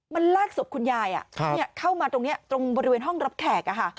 มันลากศพคุณยายเข้ามาตรงนี้ตรงบริเวณห้องรับแขก